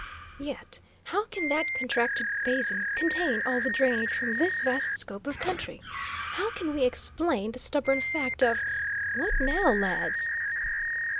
"Yet, how can that contracted basin contain all the drainage from this vast scope of country? How can we explain the stubborn fact of What now, lads?"